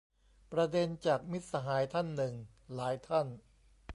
ประเด็นจาก มิตรสหายท่านหนึ่ง หลายท่าน